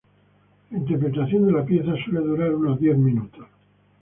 La interpretación de la pieza suele durar unos diez minutos.